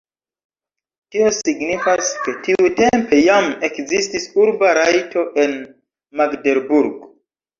Tio signifas, ke tiutempe jam ekzistis urba rajto en Magdeburg.